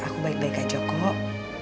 aku baik baik aja kok